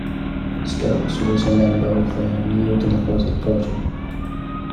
Stokes was a member of the New Democratic Party.